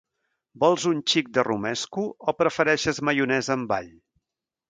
Vols un xic de romesco o prefereixes maionesa amb all?